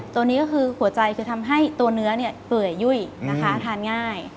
ตัวนี้ก็คือหัวใจคือทำให้ตัวเนื้อเปื่อยยุ่ยนะคะทานง่าย